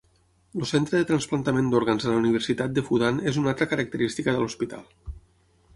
El Centre de Trasplantament d'Òrgans de la Universitat de Fudan és una altra característica de l'hospital.